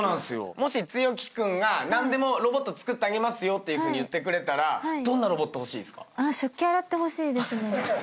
もし毅君が何でもロボット作ってあげますよっていうふうに言ってくれたらどんなロボット欲しいっすか？